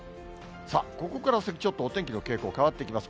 ここから先、ちょっとお天気の傾向、変わってきます。